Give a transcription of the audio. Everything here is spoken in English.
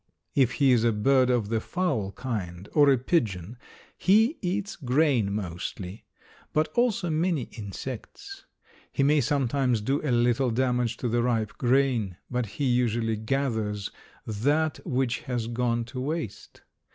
If he is a bird of the fowl kind or a pigeon, he eats grain mostly, but also many insects. He may sometimes do a little damage to the ripe grain, but he usually gathers that which has gone to waste.